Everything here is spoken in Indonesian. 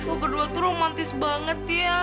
oh berdua tuh romantis banget ya